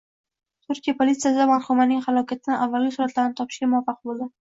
Turkiya polisiyasi marhumaning halokatdan avvalgi suratlarini topishga muvaffaq bo`libdi